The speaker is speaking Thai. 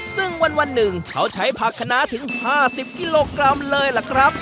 ซึ่งวันหนึ่งเขาใช้ผักคณะถึง๕๐กิโลกรัมเลยล่ะครับ